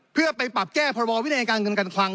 เพื่อไปปรับแก้พรบวินัยการเงินการคลัง